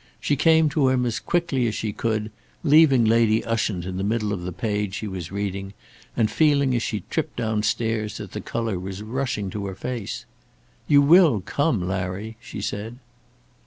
She came to him as quickly as she could, leaving Lady Ushant in the middle of the page she was reading, and feeling as she tripped downstairs that the colour was rushing to her face. "You will come, Larry," she said.